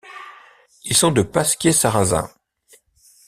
Ils sont de Pasquier-Sarrazin.